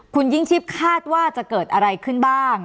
คุณยิ่งชีพคาดว่าจะเกิดอะไรขึ้นบ้าง